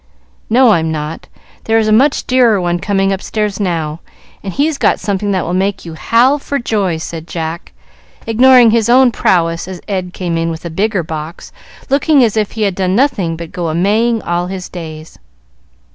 "No, I'm not; there's a much dearer one coming upstairs now, and he's got something that will make you howl for joy," said Jack, ignoring his own prowess as Ed came in with a bigger box, looking as if he had done nothing but go a Maying all his days.